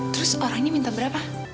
terus orangnya minta berapa